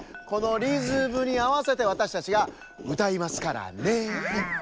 このリズムにあわせてわたしたちがうたいますからねえ。